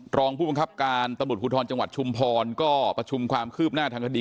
กรองผู้บังคับการตมุทธพุทธลจังหวัดชุมพรก็ประชุมความคืบหน้าทำศัตริย์